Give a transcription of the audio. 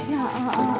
ini bu pak